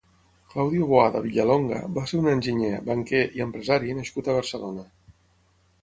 Claudio Boada Villalonga va ser un enginyer, banquer i empresari nascut a Barcelona.